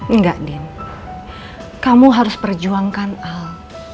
enggak din kamu harus perjuangkan al